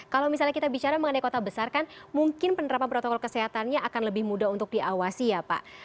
kalau misalnya kita bicara mengenai kota besar kan mungkin penerapan protokol kesehatannya akan lebih mudah untuk diawasi ya pak